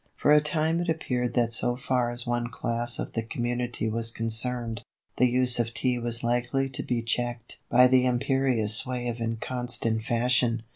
For a time it appeared that so far as one class of the community was concerned, the use of Tea was likely to be checked by the imperious sway of inconstant Fashion.